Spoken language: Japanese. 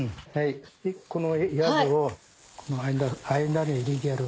このやつをこの間に入れてやる。